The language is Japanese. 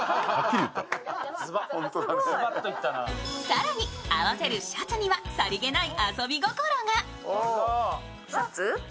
更に、合わせるシャツにはさりげない遊び心が。